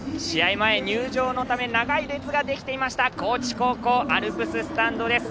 前、入場のため長い列ができていました高知高校のアルプススタンドです。